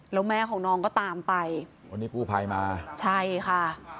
แล้วแม่ของน้องก็ตามไปวันนี้กู้ภัยมาใช่ค่ะ